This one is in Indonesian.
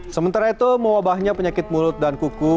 sementara itu mewabahnya penyakit mulut dan kuku